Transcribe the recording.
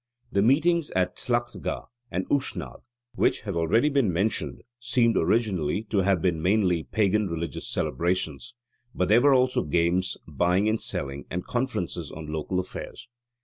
The meetings at Tlachtga and Ushnagh, which have already been mentioned, seem originally to have been mainly pagan religious celebrations: but there were also games, buying and selling, and conferences on local affairs.